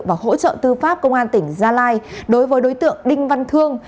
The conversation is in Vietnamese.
và hỗ trợ tư pháp công an tỉnh gia lai đối với đối tượng đinh văn thương